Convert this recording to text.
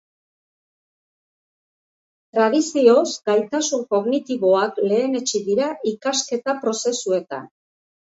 Tradizioz gaitasun kognitiboak lehenetsi dira ikasketa prozesuetan.